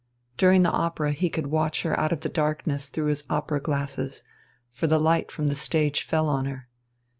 During the opera he could watch her out of the darkness through his opera glasses, for the light from the stage fell on her.